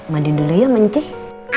mandiin dulu ya mancis